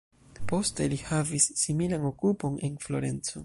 Poste li havis similan okupon en Florenco.